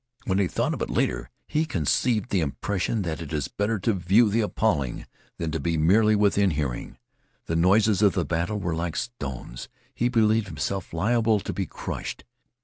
When he thought of it later, he conceived the impression that it is better to view the appalling than to be merely within hearing. The noises of the battle were like stones; he believed himself liable to be crushed.